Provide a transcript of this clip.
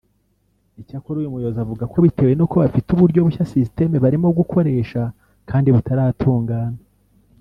Icyakora uyu muyobozi avuga ko bitewe n’uko bafite uburyo bushya (System) barimo gukoresha kandi butaratungana